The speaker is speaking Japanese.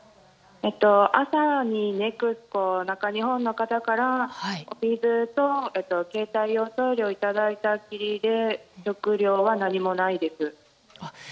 朝にＮＥＸＣＯ中日本の方からお水と携帯用トイレをいただいたきりで食料は何もないです。